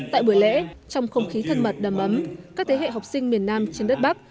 tại buổi lễ trong không khí thân mật đầm ấm các thế hệ học sinh miền nam trên đất bắc